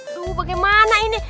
aduh bagaimana ini